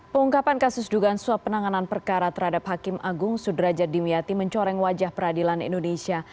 pengungkapan kasus dugaan suap penanganan perkara terhadap hakim agung sudrajat dimyati mencoreng wajah peradilan indonesia